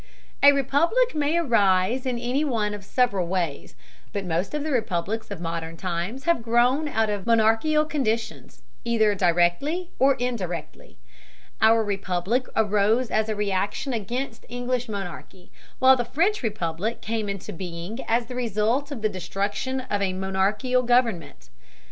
A republic may arise in any one of several ways, but most of the republics of modern times have grown out of monarchical conditions, either directly or indirectly. Our republic arose as a reaction against English monarchy, while the French republic came into being as the result of the destruction of a monarchical government.